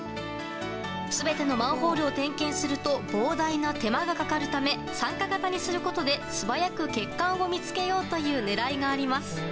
全てのマンホールを点検すると膨大な手間がかかるため参加型にすることで素早く欠陥を見つけようという狙いがあります。